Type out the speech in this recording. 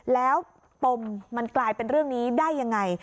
แล้วปมมันกลายเป็นเรื่องนี้ได้ยังไง